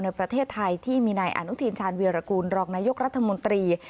ในประเทศไทยที่มีนายอนุทินชาญวีรกูลรองนายกรัฐมนตรี